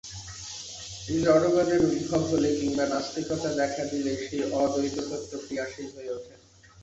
জড়বাদের উদ্ভব হলে কিম্বা নাস্তিকতা দেখা দিলেই সেই অদ্বৈততত্ত্ব ক্রিয়াশীল হয়ে ওঠে।